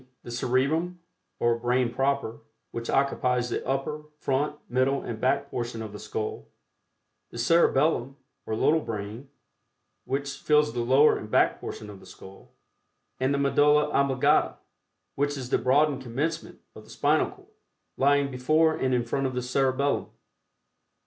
the Cerebrum or brain proper, which occupies the upper, front, middle and back portion of the skull; the Cerebellum, or "little brain," which fills the lower and back portion of the skull; and the Medulla Oblongata, which Is the broadened commencement of the spinal cord, lying before and in front of the Cerebellum.